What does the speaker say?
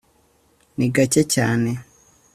ni gake cyane,